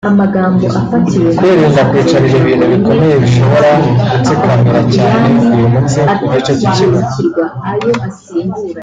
Kwirinda kwicarira ibintu bikomeye bishobora gutsikamira cyane uyu mutsi ku gice k’ikibuno